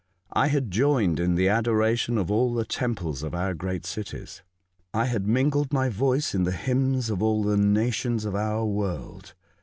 I had joined in the adora tion of all the temples of our great cities. I had mingled my voice in the hymns of all the nations of our world.